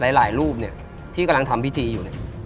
หลายรูปเนี่ยที่กำลังทำพิธีอยู่เนี่ย